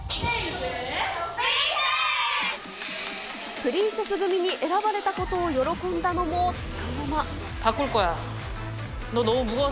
プリンセス組に選ばれたことを喜んだのもつかの間。